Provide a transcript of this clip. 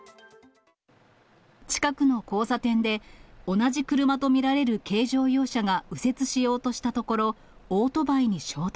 近くの交差点で、同じ車と見られる軽乗用車が右折しようとしたところ、オートバイに衝突。